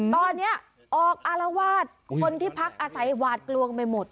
ตอนนี้ออกอารวาสคนที่พักอาศัยหวาดกลัวไปหมด